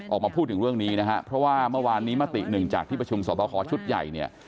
ออกมาพูดถึงเรื่องนี้นะฮะเพราะว่าเมื่อวานนี้มติหนึ่งจากที่ประชุมสอบคอชุดใหญ่เนี่ย